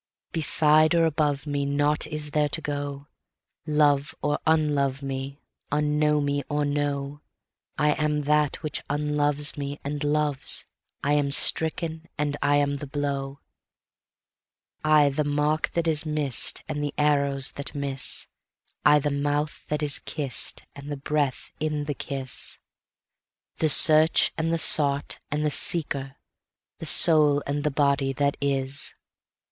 Beside or above meNought is there to go; Love or unlove me, Unknow me or know,I am that which unloves me and loves; I am stricken, and I am the blow.I the mark that is miss'dAnd the arrows that miss,I the mouth that is kiss'dAnd the breath in the kiss, The search, and the sought, and the seeker, the soul and the body that is.